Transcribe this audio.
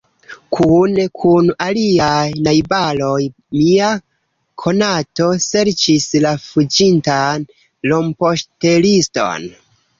Kune kun aliaj najbaroj mia konato serĉis la fuĝintan rompoŝteliston.